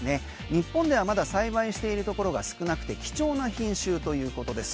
日本ではまだ栽培しているところが少なくて貴重な品種ということです。